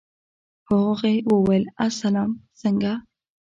خو هغه وويل اسلام څنگه.